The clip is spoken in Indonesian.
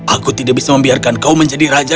aku tidak bisa membiarkan kau menjadi raja